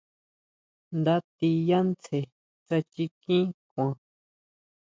Nda tí yá tsjen tsá chikín kuan.